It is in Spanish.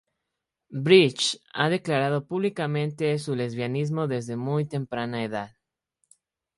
Bridges ha declarado públicamente su lesbianismo desde muy temprana edad.